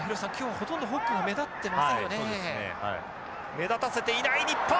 目立たせていない日本。